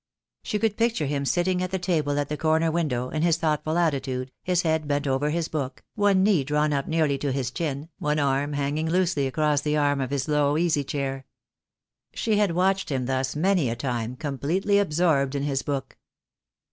She could picture him sitting at the table at the corner window, in his thoughtful attitude, his head bent over his book, one knee drawn up nearly to his chin, one arm hanging loosely across the arm of his low, easy chair. She had watched him thus many a time, completely absorbed in his book.